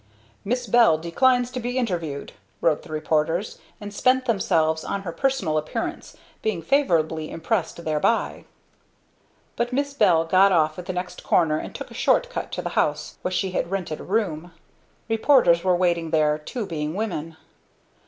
"Miss Bell Declines to Be Interviewed," wrote the reporters, and spent themselves on her personal appearance, being favorably impressed thereby. But Miss Bell got off at the next corner and took a short cut to the house where she had rented a room. Reporters were waiting there, two being women.